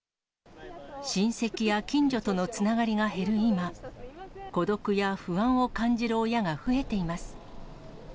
親せきや近所とのつながりが減る今、孤独や不安を感じる親が増えています。